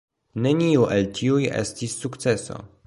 Neniu el tiuj estis sukceso.